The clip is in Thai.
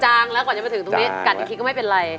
งแล้วก่อนจะมาถึงตรงนี้กัดอีกทีก็ไม่เป็นไร